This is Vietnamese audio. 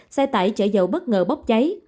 xe tải chở dầu bất ngờ bóp cháy